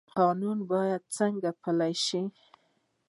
قانون باید څنګه پلی شي؟